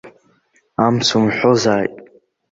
Амц умҳәозааит!